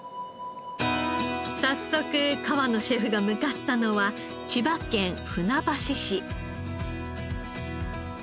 早速河野シェフが向かったのは千葉県船橋市。